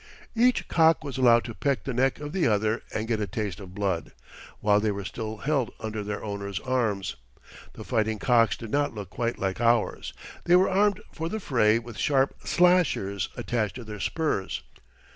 Each cock was allowed to peck the neck of the other and get a taste of blood, while they were still held under their owners' arms. The fighting cocks did not look quite like ours. They were armed for the fray with sharp "slashers" attached to their spurs.